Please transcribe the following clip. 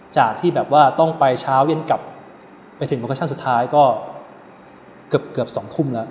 จากที่แบบว่าต้องไปเช้าเย็นกลับไปถึงโมคชั่นสุดท้ายก็เกือบ๒ทุ่มแล้ว